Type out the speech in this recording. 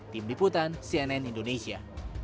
tim liputan cnn indonesia